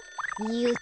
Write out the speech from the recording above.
よっ。